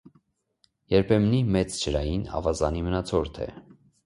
Երբեմնի մեծ ջրային ավազանի մնացորդ է։